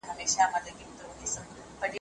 کېدای سي لیکل ستونزي ولري؟